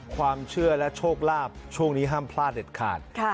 ความเชื่อและโชคลาภช่วงนี้ห้ามพลาดเด็ดขาด